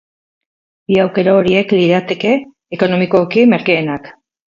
Bi aukera horiek lirateke ekonomikoki merkeenak.